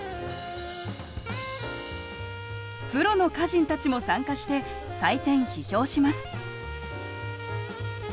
プロの歌人たちも参加して採点批評します。